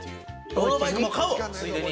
ロードバイクも買おうついでに。